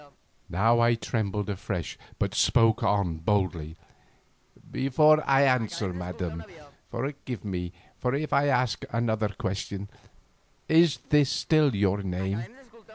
Now I trembled afresh, but spoke on boldly. "Before I answer, Madam, forgive me if I ask another question. Is this still your name?"